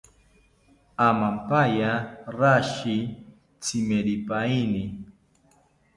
Amampaya rashi tsimeripaini